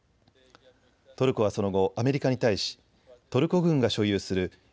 トルコはその後、アメリカに対しトルコ軍が所有するＦ１６